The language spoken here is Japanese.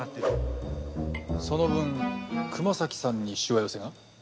その分熊咲さんにしわ寄せが？